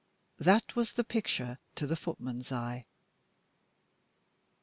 That was the picture, to the footman's eye.